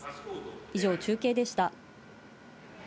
以上、中継でした。